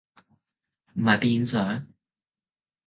唔係變上？